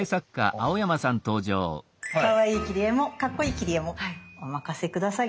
かわいい切り絵もかっこいい切り絵もお任せ下さい！